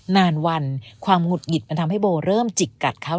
นานวันความหงุดหงิดมันทำให้โบเริ่มจิกกัดเขา